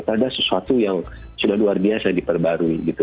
ada sesuatu yang sudah luar biasa diperbarui